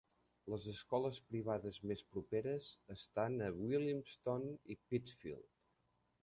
Les escoles privades més properes estan a Williamstown i Pittsfield.